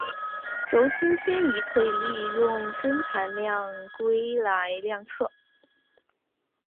轴心偏移可以利用针盘量规来量测。